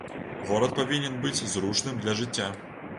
Горад павінен быць зручным для жыцця.